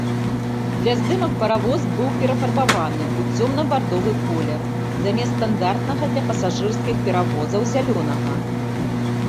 Для здымак паравоз быў перафарбаваны ў цёмна-бардовы колер, замест стандартнага для пасажырскіх паравозаў зялёнага.